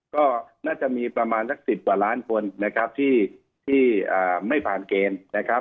ก็น่าจะมีประมาณสัก๑๐กว่าล้านคนนะครับที่ไม่ผ่านเกณฑ์นะครับ